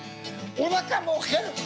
おなかも減る。